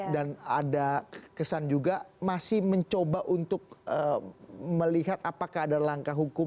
dan ada kesan juga masih mencoba untuk melihat apakah ada langkah hukum